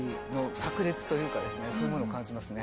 そういうものを感じますね。